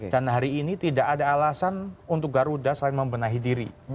dan hari ini tidak ada alasan untuk garuda selain membenahi diri